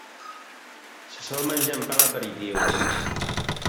Se sol menjar amb pa a l'aperitiu.